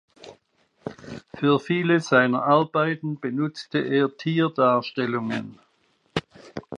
Für viele seiner Arbeiten benutzte er Tierdarstellungen.